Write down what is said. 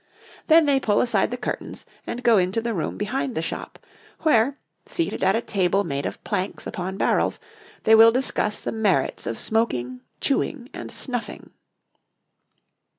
Then they pull aside the curtains and go into the room behind the shop, where, seated at a table made of planks upon barrels, they will discuss the merits of smoking, chewing, and snuffing.